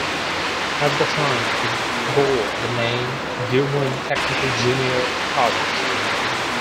At the time, it bore the name Doowon Technical Junior College.